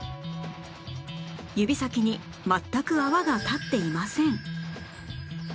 指先に全く泡が立っていません